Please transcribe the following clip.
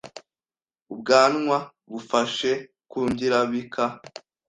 ubwanwa bufashe ku ngirabika